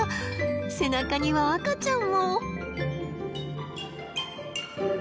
背中には赤ちゃんも。